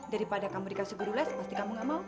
daripada kamu dikasih guru les pasti kamu gak mau